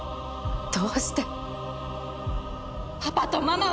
どうしてパパとママを殺した！？